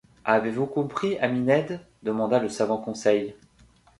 Avez-vous compris, ami Ned ? demanda le savant Conseil.